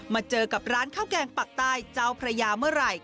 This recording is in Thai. เจอกับร้านข้าวแกงปักใต้เจ้าพระยาเมื่อไหร่